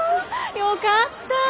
よかった。